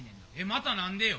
また何でよ？